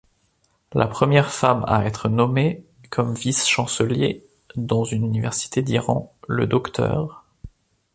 La première femme à être nommée comme vice-chancelier dans une université d’Iran, le Dr.